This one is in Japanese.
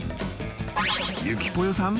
［ゆきぽよさん。